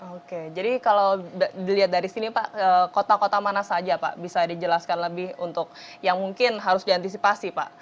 oke jadi kalau dilihat dari sini pak kota kota mana saja pak bisa dijelaskan lebih untuk yang mungkin harus diantisipasi pak